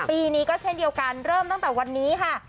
ปีนี้ก็เช่นเดียวกันเริ่มตั้งแต่วันนี้ค่ะ